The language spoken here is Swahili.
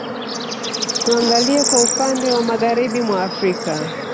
Tuangalie kwa upande wa Magharibi mwa Afrika